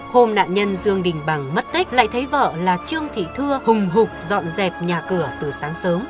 hôm nạn nhân dương đình bằng mất tích lại thấy vợ là trương thị thưa hùng dọn dẹp nhà cửa từ sáng sớm